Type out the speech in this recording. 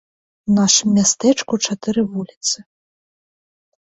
У нашым мястэчку чатыры вуліцы.